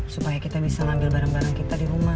supaya kita bisa ngambil barang barang kita di rumah